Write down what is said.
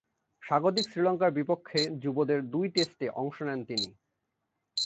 স্বাগতিক শ্রীলঙ্কার বিপক্ষে যুবদের দুই টেস্টে অংশ নেন তিনি।